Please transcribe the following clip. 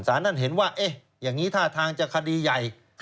ศาลนั้นเห็นว่าอย่างนี้ถ้าทางจะคดีใหญ่